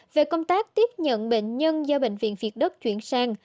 về công tác tiếp nhận bệnh nhân do bệnh viện việt đức chuyển sang